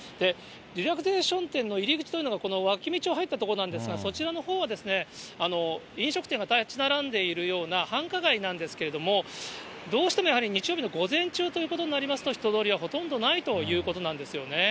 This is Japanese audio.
リラクゼーション店の入り口というのが、このわき道を入った所なんですが、そちらのほうは飲食店が建ち並んでいるような繁華街なんですけれども、どうしてもやっぱり日曜日の午前中ということになりますと、人通りはほとんどないということなんですよね。